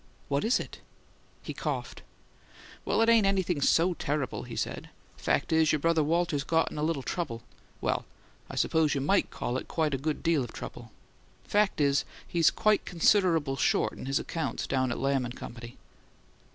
"What is it?" He coughed. "Well, it ain't anything so terrible," he said. "Fact is, your brother Walter's got in a little trouble well, I suppose you might call it quite a good deal of trouble. Fact is, he's quite considerable short in his accounts down at Lamb and Company."